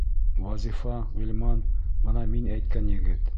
Вазифа, Ғилман, бына мин әйткән егет.